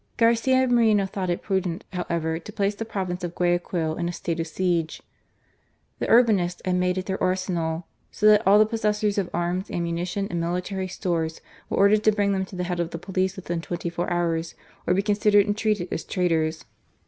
Garcia Moreno thought it prudent, however, to place the province of Guayaquil in a state of siege. The Urbinists had made it their arsenal; so that all the possessors of arms, ammunition, and mili tary stores were ordered to bring them to the head of the police within twenty four hours, or be considered and treated as traitors.